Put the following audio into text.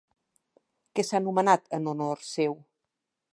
Què s'ha anomenat en honor seu?